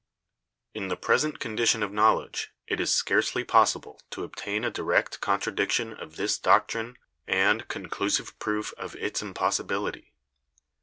In the present condition of knowledge it is scarcely pos sible to obtain a direct contradiction of this doctrine and conclusive proof of its impossibility.